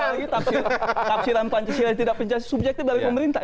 apalagi taksiran pancasila yang tidak pencari subjeknya dari pemerintah